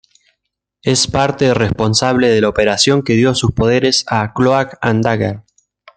Es parte responsable de la operación que dio sus poderes a Cloak and Dagger.